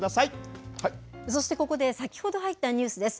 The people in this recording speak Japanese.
そしてここで先ほど入ったニュースです。